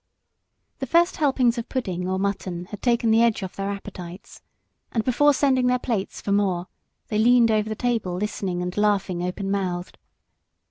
The first helpings of pudding or mutton had taken the edge off their appetites, and before sending their plates for more they leaned over the table listening and laughing open mouthed.